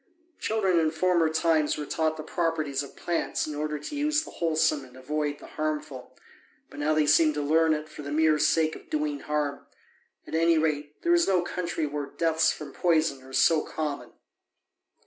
Children in former times were taught the properties of plants in order to use the wholesome and avoid the harmful; but now they seem to learn it for the mere sake of doing harm: at any rate, there is no country where deaths from poison are so common.